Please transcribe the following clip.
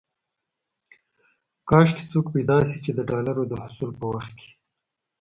کاش کې څوک پيدا شي چې د ډالرو د حصول په وخت کې.